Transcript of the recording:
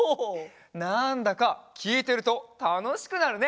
なんだかきいてるとたのしくなるね。